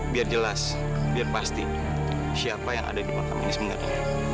biar jelas biar pasti siapa yang ada di makam ini sebenarnya